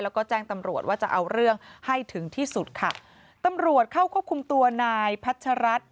แล้วก็แจ้งตำรวจว่าจะเอาเรื่องให้ถึงที่สุดค่ะตำรวจเข้าควบคุมตัวนายพัชรัฐ